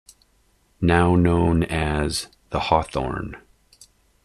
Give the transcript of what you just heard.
Now known as "The Hawthorn".